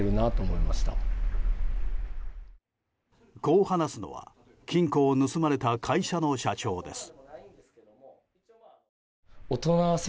こう話すのは金庫を盗まれた会社の社長です。